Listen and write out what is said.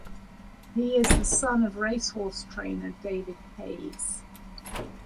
He is the son of racehorse trainer David Hayes.